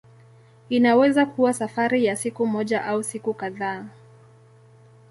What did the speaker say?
Inaweza kuwa safari ya siku moja au siku kadhaa.